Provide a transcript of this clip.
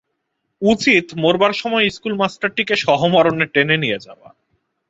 উচিত, মরবার সময়ে ইস্কুল-মাস্টারটিকে সহমরণে টেনে নিয়ে যাওয়া।